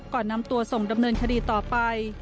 ก่อนนำตัวส่งดำเนินคดีต่อไป